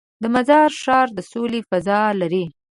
د مزار ښار د سولې فضا لري.